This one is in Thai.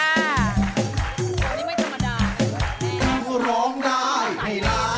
วันนี้ไม่กรรมดา